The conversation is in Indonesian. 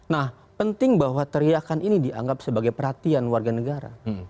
nah penting bahwa teriakan ini dianggap sebagai perhatian warga negara